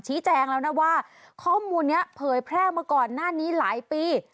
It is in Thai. แจงแล้วนะว่าข้อมูลนี้เผยแพร่มาก่อนหน้านี้หลายปี